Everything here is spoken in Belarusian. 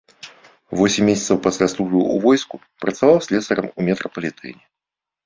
Восем месяцаў пасля службы ў войску працаваў слесарам у метрапалітэне.